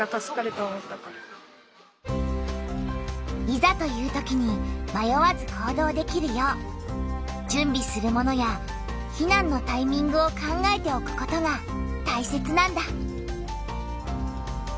いざというときにまよわず行動できるよう準備するものや避難のタイミングを考えておくことがたいせつなんだ。